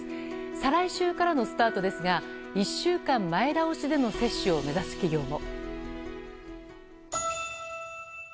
再来週からのスタートですが１週間前倒しでの接種を目指す企業も。